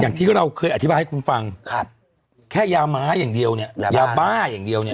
อย่างที่เราเคยอธิบายให้คุณฟังครับแค่ยาม้าอย่างเดียวเนี่ยยาบ้าอย่างเดียวเนี่ย